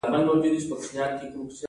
دستمال او رومال